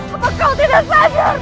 apa kau tidak sadar